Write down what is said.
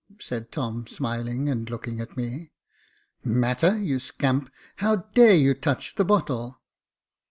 said Tom, smiling, and looking at me. " Matter, you scamp ! How dare you touch the bottle?"